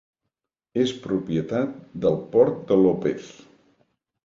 És propietat del Port de López.